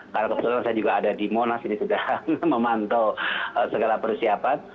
karena kebetulan saya juga ada di monas ini sedang memantau segala persiapan